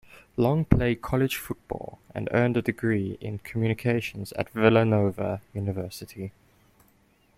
Long played college football and earned a degree in communications at Villanova University.